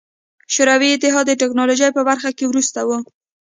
شوروي اتحاد د ټکنالوژۍ په برخه کې وروسته و.